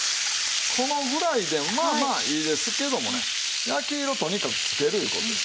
このぐらいでまあまあいいですけどもね焼き色とにかくつけるいう事です。